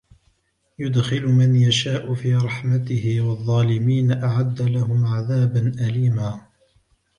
يُدْخِلُ مَنْ يَشَاءُ فِي رَحْمَتِهِ وَالظَّالِمِينَ أَعَدَّ لَهُمْ عَذَابًا أَلِيمًا